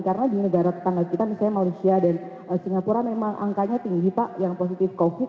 karena di negara tetangga kita misalnya malaysia dan singapura memang angkanya tinggi pak yang positif covid